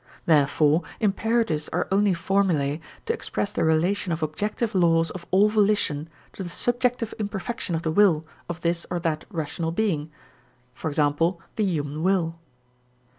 Therefore imperatives are only formulae to express the relation of objective laws of all volition to the subjective imperfection of the will of this or that rational being, e.g., the human will.